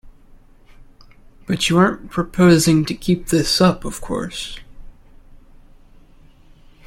But you aren't proposing to keep this up, of course?